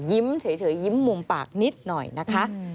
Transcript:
เฉยยิ้มมุมปากนิดหน่อยนะคะ